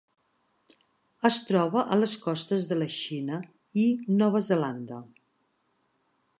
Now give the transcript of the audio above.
Es troba a les costes de la Xina i Nova Zelanda.